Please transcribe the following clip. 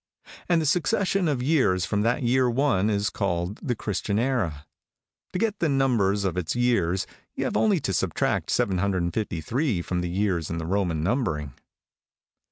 And the succession of years from that year 1 is called the Christian era. To get the numbers of its years you have only to subtract 753 from the years in the Roman numbering."